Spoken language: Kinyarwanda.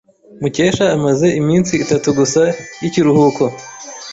Mukesha amaze iminsi itatu gusa y'ikiruhuko.